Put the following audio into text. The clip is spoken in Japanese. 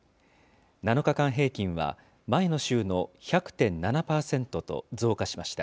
７日間平均は、前の週の１００．７％と増加しました。